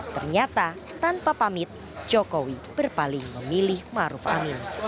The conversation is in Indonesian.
ternyata tanpa pamit jokowi berpaling memilih maruf amin